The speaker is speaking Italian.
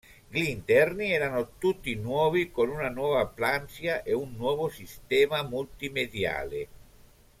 Gli interni erano tutti nuovi con una nuova plancia e un nuovo sistema multimediale.